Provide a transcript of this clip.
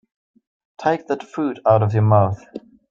Take that food out of your mouth.